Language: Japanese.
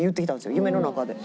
夢の中で。